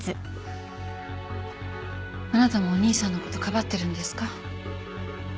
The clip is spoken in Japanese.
あなたもお兄さんの事かばってるんですか？